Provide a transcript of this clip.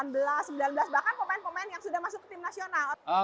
delapan belas sembilan belas bahkan pemain pemain yang sudah masuk ke tim nasional